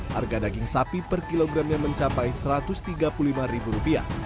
harga daging sapi per kilogramnya mencapai satu ratus tiga puluh lima ribu rupiah